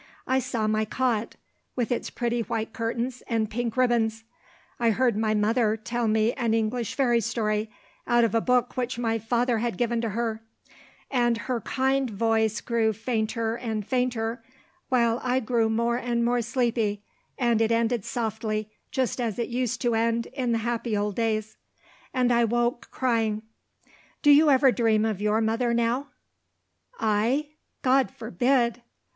I saw my cot, with its pretty white curtains and pink ribbons. I heard my mother tell me an English fairy story, out of a book which my father had given to her and her kind voice grew fainter and fainter, while I grew more and more sleepy and it ended softly, just as it used to end in the happy old days. And I woke, crying. Do you ever dream of your mother now?" "I? God forbid!"